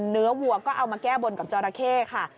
วัวก็เอามาแก้บนกับจอราเข้ค่ะ